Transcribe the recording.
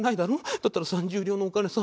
だったらその１０両のお金さ